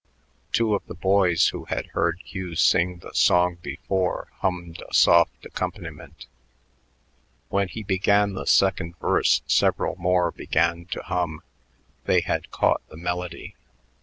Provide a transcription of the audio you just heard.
Two of the boys, who had heard Hugh sing the song before, hummed a soft accompaniment. When he began the second verse several more began to hum; they had caught the melody.